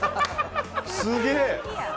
すげえ！